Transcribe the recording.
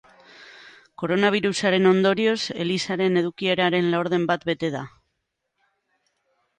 Koronabirusaren ondorioz, elizaren edukieraren laurden bat bete da.